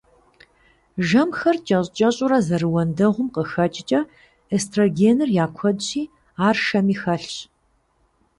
Жэмхэр кӀэщӀ-кӀэщӀурэ зэрыуэндэгъум къыхэкӀкӀэ, эстрогеныр я куэдщи, ар шэми хэлъщ.